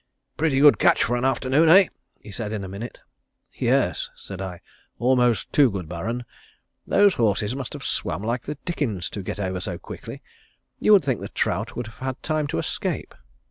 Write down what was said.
"Pretty good catch for an afternoon, eh?" he said in a minute. "Yes," said I. "Almost too good, Baron. Those horses must have swam like the dickens to get over so quickly. You would think the trout would have had time to escape."